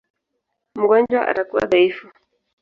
Mgonjwa atakuwa dhaifu.